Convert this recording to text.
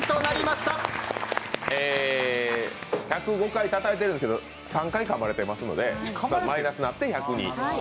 １０５回たたいてるんですけど３回かまれてるので、マイナスになって１０２。